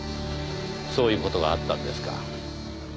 そういう事があったんですか。